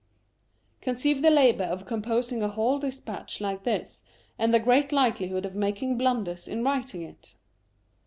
Conceive the labour of composing a whole despatch like this, and the great likelihood of making blunders in writing it